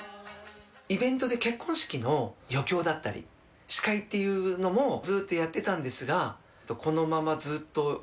イベントで結婚式の余興だったり司会っていうのもずっとやってたんですが。